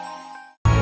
nina kan anak aku juga